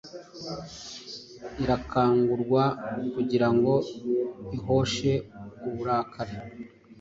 irakangurwa kugirango ihoshe uburakari